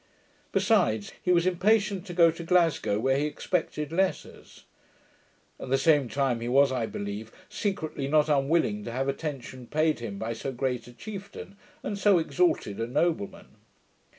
Besides, he was impatient to go to Glasgow, where he expected letters. At the same time he was, I believe, secretly not unwilling to have attention paid him by so great a chieftain, and so exalted a nobleman.